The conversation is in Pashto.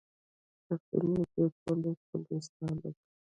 زړګی مې دی پولۍ پولۍ سالکه